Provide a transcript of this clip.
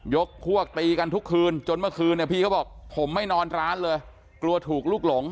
พวกตีกันทุกคืนจนเมื่อคืนเนี่ยพี่เขาบอกผมไม่นอนร้านเลยกลัวถูกลุกหลง